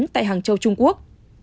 tại hàng châu trung quốc